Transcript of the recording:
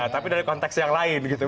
tapi dari konteks yang lain gitu